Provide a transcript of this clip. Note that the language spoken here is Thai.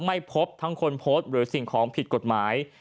ไม่พบทั้งคนโพสต์หรือสิ่งของผิดกฎหมาย